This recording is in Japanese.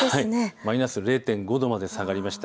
マイナス０．５度まで下がりました。